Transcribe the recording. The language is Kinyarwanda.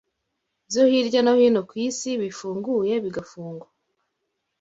byo hirya no hino ku isi bifunguye bigafungwa